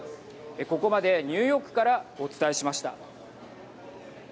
ここまでニューヨークからお伝えしました。